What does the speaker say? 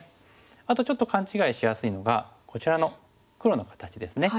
あとちょっと勘違いしやすいのがこちらの黒の形ですね。